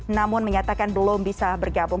namun menyatakan belum bisa bergabung